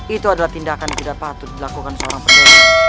itu adalah tindakan tidak patut dilakukan seorang penderi